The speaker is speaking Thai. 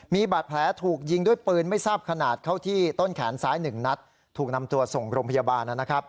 มีบาดแผลถูกยิงด้วยปืนไม่ทราบขนาดเข้าที่ต้นแขนซ้าย๑นัดถูกนำตัวส่งโรงพยาบาลนะครับ